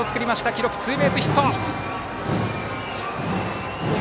記録ツーベースヒット。